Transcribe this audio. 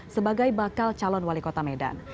sebagai bakal calon wali kota medan